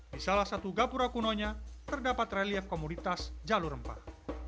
di salah satu gapura kunonya terdapat relief komoditas jalur rempah